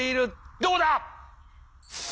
どうだ！